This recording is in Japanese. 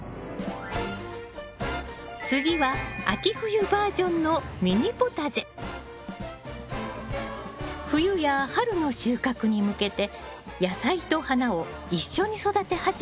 次は秋冬バージョンの冬や春の収穫に向けて野菜と花を一緒に育て始めたのよね。